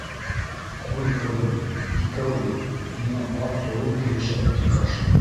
«Ҡуй, ҡыҙым, икәү ит. һиңә пар толом килешә!» - ти Хашим.